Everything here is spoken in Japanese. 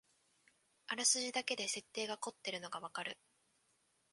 あらすじだけで設定がこってるのがわかる